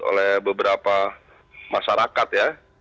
oleh beberapa masyarakat ya